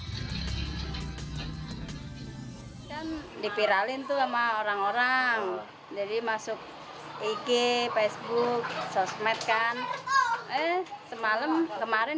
hai dan dipiralin tuh sama orang orang jadi masuk ig facebook sosmed kan eh semalam kemarin